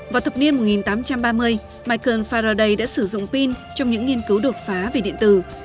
vào thập niên một nghìn tám trăm ba mươi michael faraday đã sử dụng pin trong những nghiên cứu đột phá về điện tử